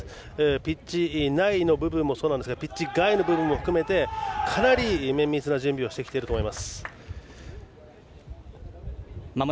ピッチ内の部分もそうですがピッチ外の部分も含めてかなり綿密な準備をしてきていると思います。